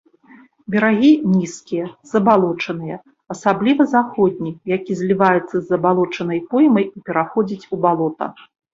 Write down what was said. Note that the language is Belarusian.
Берагі нізкія, забалочаныя, асабліва заходні, які зліваецца з забалочанай поймай і пераходзіць у балота.